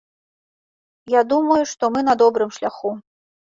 Я думаю, што мы на добрым шляху.